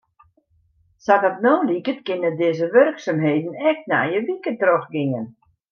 Sa't it no liket kinne dizze wurksumheden ek nije wike trochgean.